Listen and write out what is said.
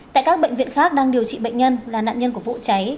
tại các bệnh viện khác đang điều trị bệnh nhân là nạn nhân của vụ cháy